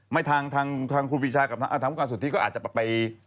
ทางทางครูปีชากับทางผู้การสุทธิก็อาจจะแบบไป